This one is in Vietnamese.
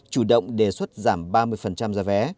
chủ động đề xuất giảm ba mươi giá vé